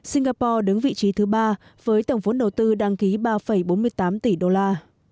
singapore đứng vị trí thứ ba với tổng vốn đầu tư đăng ký ba bốn mươi tám tỷ đô la